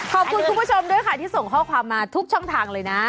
คุณผู้ชมด้วยค่ะที่ส่งข้อความมาทุกช่องทางเลยนะ